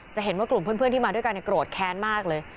เห็นว่ากลุ่มเพื่อนที่มาด้วยกันโกรธแค้นมากเลย